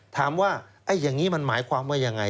ถามว่าอย่างนี้มันหมายความว่ายังไง